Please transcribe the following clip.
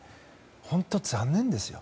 本当に残念ですよ。